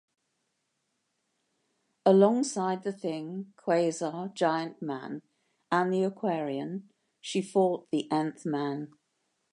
Alongside the Thing, Quasar, Giant-Man, and the Aquarian, she fought the Nth Man.